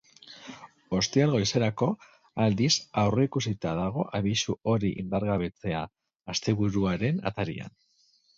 Ostiral goizerako, aldiz, aurreikusita dago abisu hori indargabetzea, asteburuaren atarian.